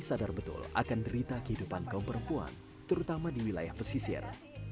akan derita kehidupan kaum perempuan terutama di wilayah pesisir